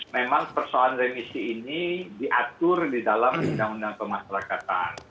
memang persoalan remisi ini diatur di dalam undang undang pemasrakatan